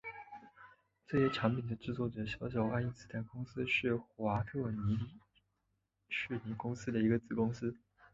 这些产品的制作者小小爱因斯坦公司是华特迪士尼公司的一个子公司。